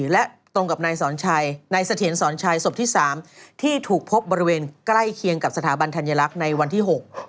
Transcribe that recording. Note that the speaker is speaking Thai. และตรงกับนายสอนชัยนายเสถียรสอนชัยศพที่สามที่ถูกพบบริเวณใกล้เคียงกับสถาบันธัญลักษณ์ในวันที่๖